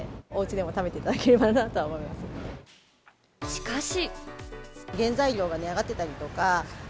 しかし。